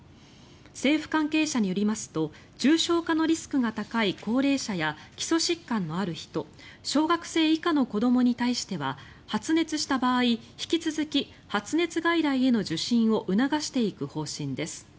政府関係者によりますと重症化のリスクが高い高齢者や基礎疾患のある人小学生以下の子どもに対しては発熱した場合引き続き、発熱外来への受診を促していく方針です。